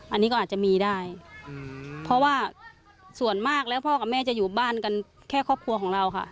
อันนี้ก็อาจจะมีได้เพราะว่าส่วนมากแล้วพ่อกับแม่จะอยู่บ้านกันแค่ครอบครัวของเราค่ะ